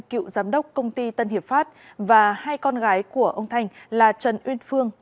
cựu giám đốc công ty tân hiệp pháp và hai con gái của ông thanh là trần uyên phương